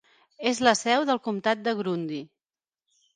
És la seu del comtat de Grundy.